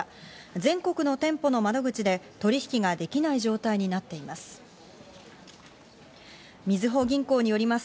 全国の店舗の窓口で取引ができない状態になっています。